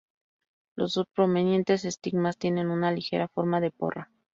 Los dos prominentes estigmas tienen una ligera forma de porra.